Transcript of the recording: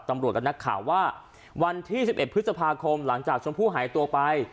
ตำรวจและนักข่าวว่าวันที่๑๑พฤษภาคมหลังจากชมพู่หายตัวไป